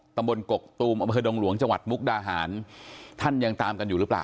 ตำบลกกตูมอำเภอดงหลวงจังหวัดมุกดาหารท่านยังตามกันอยู่หรือเปล่า